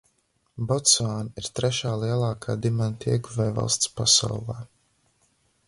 Botsvāna ir trešā lielākā dimantu ieguvējvalsts pasaulē.